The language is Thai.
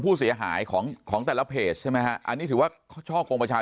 ผู้เสียหายของของแต่ละเพจใช่ไหมฮะอันนี้ถือว่าเขาช่อกงประชาชน